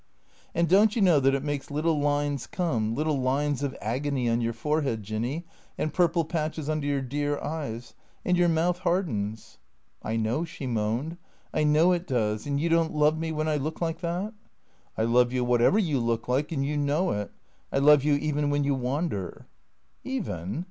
" And don't you know that it makes little lines come, little lines of agony on your forehead. Jinny, and purple patches under your dear eyes; and your mouth hardens." " I know," she moaned. " I know it does. And you don't love me when I look like that ?"" I love you whatever you look like, and you know it. I love you even when you wander." " Even